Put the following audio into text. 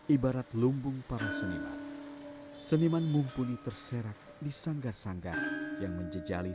ibarat lumbung para seniman seniman mumpuni terserak di sanggar sanggar yang menjejali